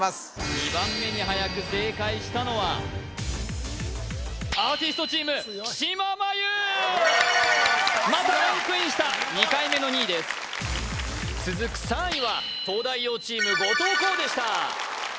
２番目にはやく正解したのはアーティストチーム木嶋真優やったやったまたランクインした２回目の２位です続く３位は東大王チーム後藤弘でした